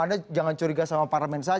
anda jangan curiga sama parlemen saja